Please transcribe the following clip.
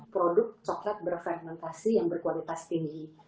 produk coklat berfermentasi yang berkualitas tinggi